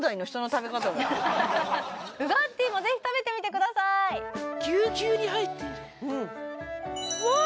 ウガッティーも是非食べてみてくださいうわあ！